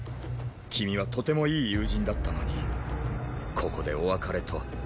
君はとてもいい友人だったのにここでお別れとは。